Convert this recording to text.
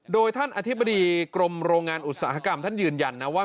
โดยท่านอธิบดีกรมโรงงานอุตสาหกรรมท่านยืนยันนะว่า